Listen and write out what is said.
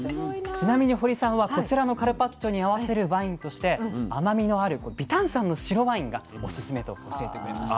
ちなみに堀さんはこちらのカルパッチョに合わせるワインとして甘みのある微炭酸の白ワインがおすすめと教えてくれました。